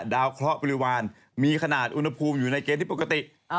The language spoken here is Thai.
เคราะห์บริวารมีขนาดอุณหภูมิอยู่ในเกณฑ์ที่ปกติ